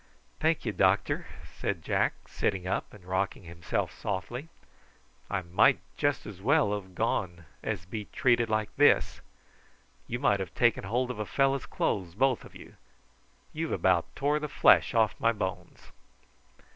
"Thank ye, doctor," said Jack, sitting up and rocking himself softly. "I might just as well have gone as be treated like this. You might have taken hold of a fellow's clothes, both of you. You've about tore the flesh off my bones."